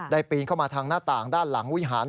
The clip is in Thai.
ปีนเข้ามาทางหน้าต่างด้านหลังวิหาร